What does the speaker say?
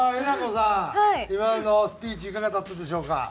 今のスピーチいかがだったでしょうか？